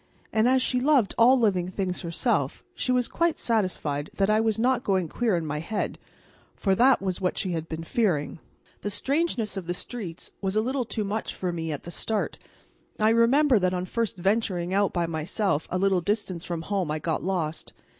And as she loved all living things herself she was quite satisfied that I was not going queer in my head, for that was what she had been fearing. The strangeness of the streets was a little too much for me at the start, and I remember that on first venturing out by myself a little distance from home I got lost.